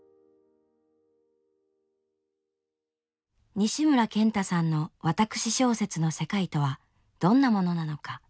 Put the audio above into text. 西村賢太さんの私小説の世界とはどんなものなのか。